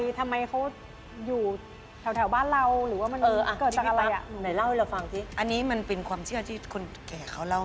ทำไมเขาอยู่แถวบ้านเรา